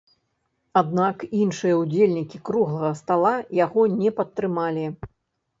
Аднак іншыя ўдзельнікі круглага стала яго не падтрымалі.